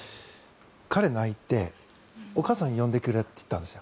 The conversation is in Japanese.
彼が泣いてお母さんを呼んでくれと言ったんです。